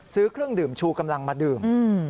ซื้อเครื่องดื่มชูกำลังมาดื่ม